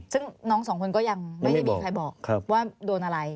ซึ่งน้องสองคนก็ยังไม่ได้มีใครบอกว่าโดนอะไร